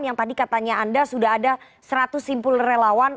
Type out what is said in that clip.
yang tadi katanya anda sudah ada seratus simpul relawan